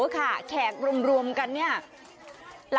สาหรูมาก่อนโอ้โฮ